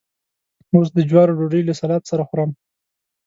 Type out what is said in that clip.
اوس د جوارو ډوډۍ له سلاد سره خورم.